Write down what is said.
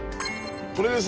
これです。